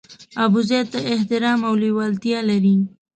ابوزید ته احترام او لېوالتیا لري.